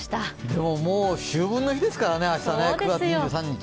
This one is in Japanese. でも、もう秋分の日ですからね、明日、９月２３日。